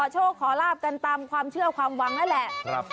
มาขอโชคขอราบกันตามความเชื่อความหวังแล้วแหละครับ